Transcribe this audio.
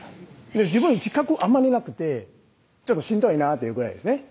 自分自覚あんまりなくてちょっとしんどいなっていうぐらいですね